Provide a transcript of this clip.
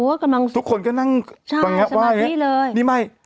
อู้ยทุกคนก็นั่งกำลังไงนี่แม่